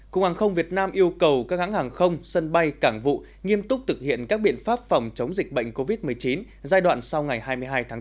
cục hàng không việt nam yêu cầu các hãng hàng không sân bay cảng vụ nghiêm túc thực hiện các biện pháp phòng chống dịch bệnh covid một mươi chín giai đoạn sau ngày hai mươi hai tháng bốn